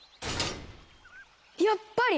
やっぱり！